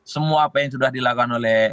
semua apa yang sudah dilakukan oleh